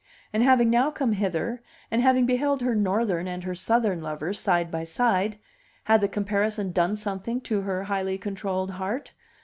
And having now come hither, and having beheld her Northern and her Southern lovers side by side had the comparison done something to her highly controlled heart?